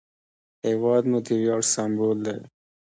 هېواد مو د ویاړ سمبول دی